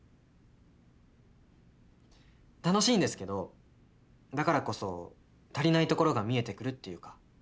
楽しいんですけどだからこそ足りないところが見えてくるっていうか。